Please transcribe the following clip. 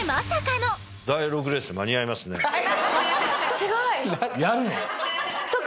すごい。